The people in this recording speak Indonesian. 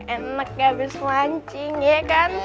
enak ya abis mancing ya kan